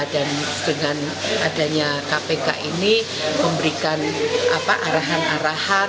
dan dengan adanya kpk ini memberikan arahan arahan